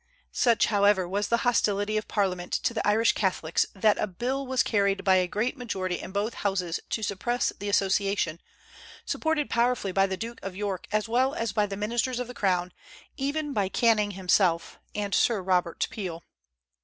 Such, however, was the hostility of Parliament to the Irish Catholics that a bill was carried by a great majority in both Houses to suppress the Association, supported powerfully by the Duke of York as well as by the ministers of the crown, even by Canning himself and Sir Robert Peel.